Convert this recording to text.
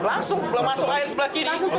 langsung belum masuk air sebelah kiri